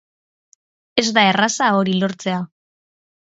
Ez da erraza hori lortzea.